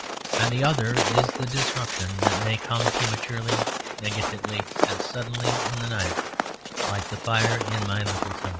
And the other is the disruption that may come prematurely, negatively, and suddenly in the night; like the fire in my little town.